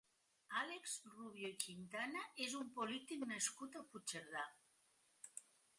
Àlex Rubio i Quintana és un polític nascut a Puigcerdà.